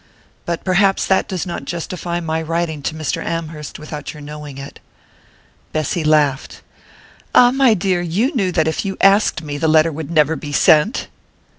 But perhaps that does not justify my writing to Mr. Amherst without your knowing it." Bessy laughed. "Ah, my dear, you knew that if you asked me the letter would never be sent!"